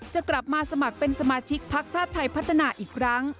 จะกลับมาสมัครเป็นสมาชิกพักชาติไทยพัฒนาอีกครั้ง